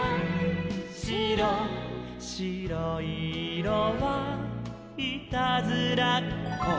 「しろいいろはいたずらっこ」